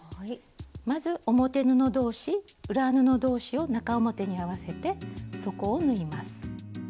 まず表布どうし裏布どうしを中表に合わせて底を縫います。